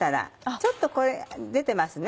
ちょっとこれ出てますね。